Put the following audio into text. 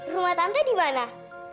rumah tante dimana